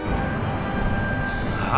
さあ